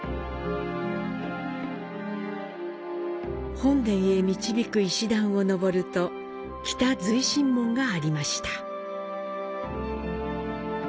本殿へ導く石段を上ると北随神門がありました。